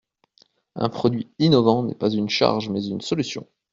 Un produit innovant n’est pas une charge, mais une solution.